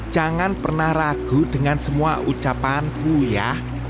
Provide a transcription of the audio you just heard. jangan pernah ragu dengan semua ucapanku ya